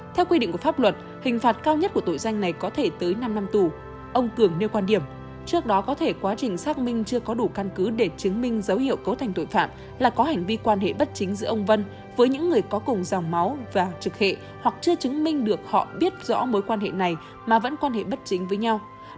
theo quy định của pháp luật hình phạt cao nhất của tội danh này có thể tới năm năm tù